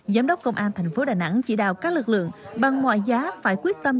giám đốc công an thành phố đà nẵng chỉ đạo các lực lượng bằng mọi giá phải quyết tâm